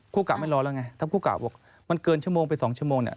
กะไม่รอแล้วไงถ้าคู่กะบอกมันเกินชั่วโมงไป๒ชั่วโมงเนี่ย